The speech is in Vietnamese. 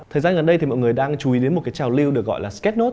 thời gian gần đây thì mọi người đang chú ý đến một cái trào lưu được gọi là scatnos